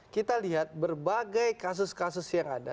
sebagai kasus kasus yang ada